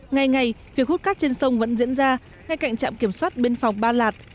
ngày ngày việc hút cát trên sông vẫn diễn ra ngay cạnh trạm kiểm soát biên phòng ba lạt